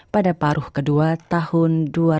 pada paruh kedua tahun